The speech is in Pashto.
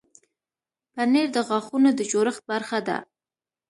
پنېر د غاښونو د جوړښت برخه ده.